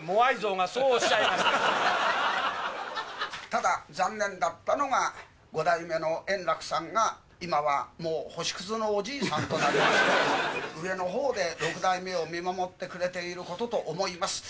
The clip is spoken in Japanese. ただ、残念だったのが、五代目の圓楽さんが、今はもう星くずのおじいさんとなりまして、上のほうで六代目を見守ってくれていることと思います。